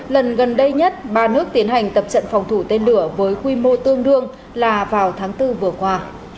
lần gần đây nhất ba nước tiến hành tập trận phòng thủ tên lửa với quy mô tương đương là vào tháng bốn vừa qua